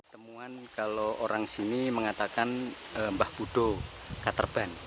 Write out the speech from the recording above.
temuan kalau orang sini mengatakan mbah budo caterban